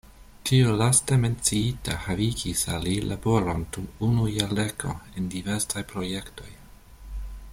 Tiu laste menciita havigis al li laboron dum unu jardeko en diversaj projektoj.